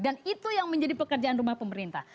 dan itu yang menjadi pekerjaan rumah pemerintah